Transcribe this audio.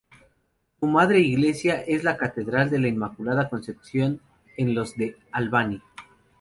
Su madre iglesia es la Catedral de la Inmaculada Concepción en los de Albany.